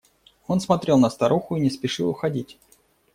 Он смотрел на старуху и не спешил уходить.